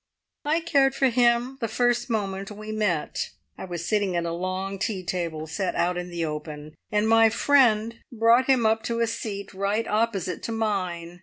"I cared for him the first moment we met. I was sitting at a long tea table set out in the open, and my friend brought him up to a seat right opposite to mine.